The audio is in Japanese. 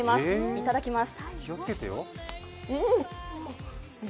いただきます。